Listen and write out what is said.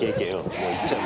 もう、いっちゃえ。